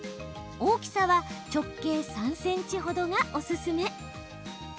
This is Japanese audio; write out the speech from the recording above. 大きさは直径３ｃｍほどがおすすめ。